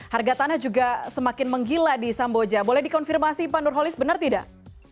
harga tanah juga semakin menggila di samboja boleh dikonfirmasi pak nurholis benar tidak